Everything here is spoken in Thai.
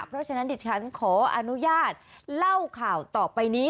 เพราะฉะนั้นดิฉันขออนุญาตเล่าข่าวต่อไปนี้